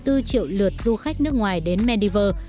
gần một bốn triệu lượt du khách nước ngoài đến maldives